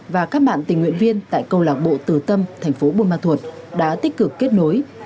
và các bạn tình nguyện viên tại câu lạc bộ tử tâm thành phố buôn ma thuột đã tích cực kết nối